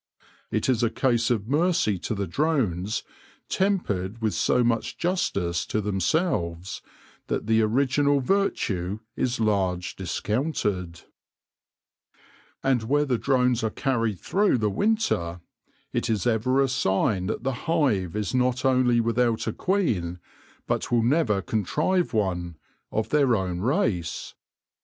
It is a case of mercy to the drones tempered with so much justice to themselves that the original virtue is large dis counted, 172 THE LORE OF THE HONEY BEE And where the drones are carried through the winter, it is ever a sign that the hive is not only without a queen, but never will contrive one, of their own race.